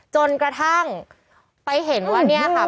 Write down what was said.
จนกระทั่งไปเห็นว่าเนี่ยค่ะ